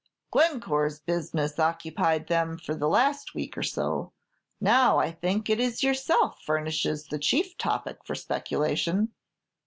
"Glencore's business occupied them for the last week or so; now, I think, it is yourself furnishes the chief topic for speculation."